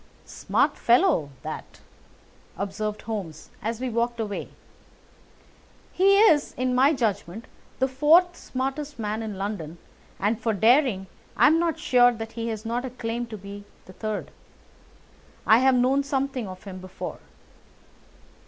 "Smart fellow, that," observed Holmes as we walked away. "He is, in my judgment, the fourth smartest man in London, and for daring I am not sure that he has not a claim to be third. I have known something of him before."